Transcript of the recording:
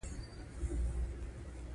اسمان تورو وريځو ډک و.